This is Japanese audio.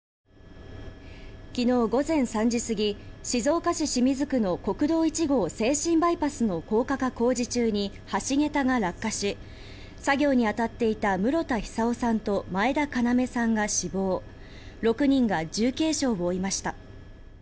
昨日午前３時過ぎ静岡市清水区の国道１号静清バイパスの高架化工事中に橋桁が落下し作業に当たっていた室田久生さんと前田要さんが死亡６人が重軽傷を負いました。